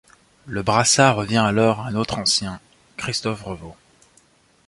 Le brassard revient alors à un autre ancien, Christophe Revault.